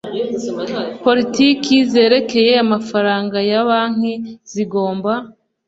Politiki zerekeye amafaranga ya banki zigomba